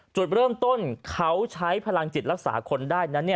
จุดเริ่มต้นเขาใช้พลังจิตรักษาคนได้นั้น